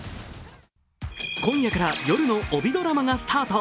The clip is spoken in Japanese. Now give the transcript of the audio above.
今夜から夜の帯ドラマがスタート。